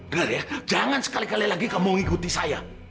dengar ya jangan sekali kali lagi kamu ngikuti saya